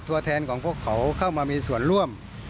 ตัวแทนของพวกเขาเข้ามามีส่วนร่วม